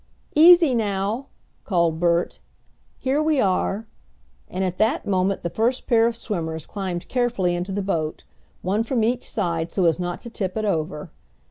"Easy now!" called Bert. "Here we are," and at that moment the first pair of swimmers climbed carefully into the boat, one from each side, so as not to tip it over.